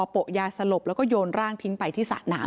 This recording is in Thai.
โปะยาสลบแล้วก็โยนร่างทิ้งไปที่สระน้ำ